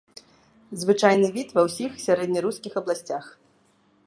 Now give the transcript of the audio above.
Звычайны від ва ўсіх сярэднярускіх абласцях.